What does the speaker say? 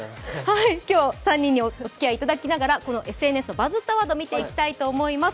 今日３人におつきあいいただきながら、ＳＮＳの「バズったワード」を見ていきたいと思います。